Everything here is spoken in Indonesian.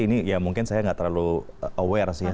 ini ya mungkin saya nggak terlalu aware sih ya